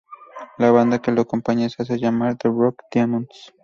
La banda que lo acompaña se hace llamar "The Rough Diamonds".